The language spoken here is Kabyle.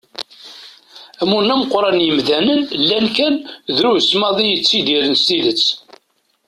Amur n ameqqran n yimdanen llan kan , drus maḍi i yettidiren s tidet.